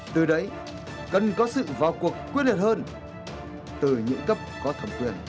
từ đấy cần có sự vào cuộc quyết định hơn từ những cấp có thẩm quyền cao hơn